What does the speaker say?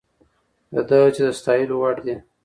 د ده هڅې د ستایلو وړ دي.